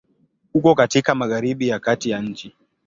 Uko katika Magharibi ya kati ya nchi.